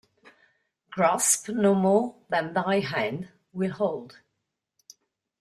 Grasp no more than thy hand will hold.